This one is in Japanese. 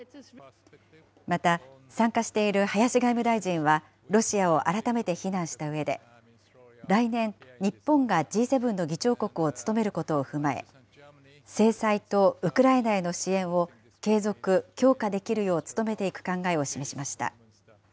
また参加している林外務大臣は、ロシアを改めて非難したうえで、来年、日本がＧ７の議長国を務めることを踏まえ、制裁とウクライナへの支援を継続・強化できるよう努めていく考えを示しました。